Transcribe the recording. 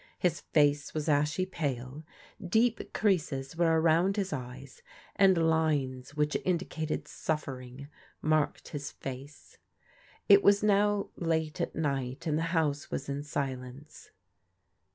His face was ashy pale, deep creases were around his eyes, and lines which indi cated suffering marked his face. It was now late at night and the house was in silence.